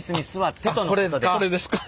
これですか社長。